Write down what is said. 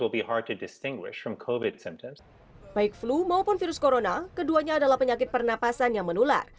baik flu maupun virus corona keduanya adalah penyakit pernapasan yang menular